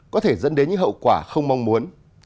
có thể dẫn đến những hậu quả không mong muốn